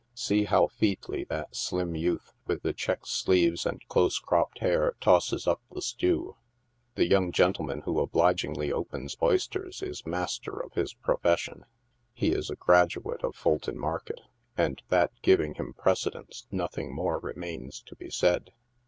See how featly that slim youth with the check sleeves and close cropped hair tosses up a stew. The young gentleman who obligingly opens oysters is mas ter of his profession. He is a graduate of Fulton market ; and, that giving him precedence, nothing more remains to be said.